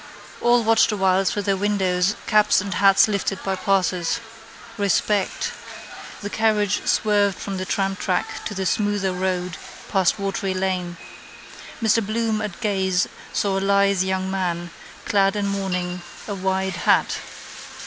All watched awhile through their windows caps and hats lifted by passers. Respect. The carriage swerved from the tramtrack to the smoother road past Watery lane. Mr Bloom at gaze saw a lithe young man, clad in mourning, a wide hat.